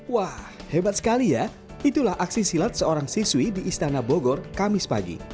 wah hebat sekali ya itulah aksi silat seorang siswi di istana bogor kamis pagi